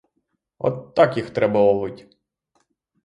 От так їх треба ловить!